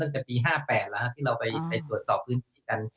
ตั้งแต่ปี๕๘แล้วที่เราไปตรวจสอบพื้นที่กัน